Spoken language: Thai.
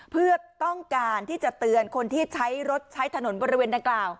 เพื่อต้องการที่จะเตือนคนที่ใช้รถใช้ถนนบริเวณดังกล่าว